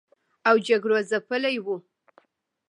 او جګړو ځپلي و